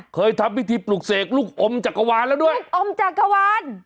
เคยทำพิธีปลุกเสกลูกอมจักรวาลแล้วด้วยอมจักรวาล